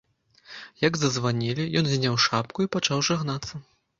Як зазванілі, ён зняў шапку і пачаў жагнацца.